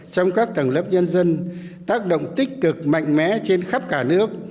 trong các tầng lớp nhân dân tác động tích cực mạnh mẽ trên khắp cả nước